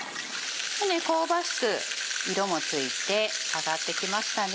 香ばしく色もついて揚がってきましたね。